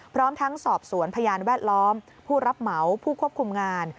พร้อมทั้งสอบสวนพยานแวดล้อมผู้รับเหมาผู้ควบคุมงาน